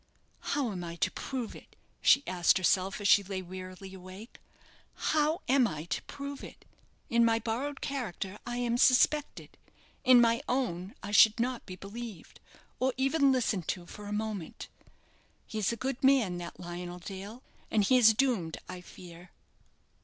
"How am I to prove it?" she asked herself, as she lay wearily awake. "How am I to prove it? in my borrowed character I am suspected; in my own, I should not be believed, or even listened to for a moment. He is a good man, that Lionel Dale, and he is doomed, I fear."